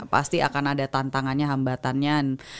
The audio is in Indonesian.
pasti akan ada tantangannya hambatannya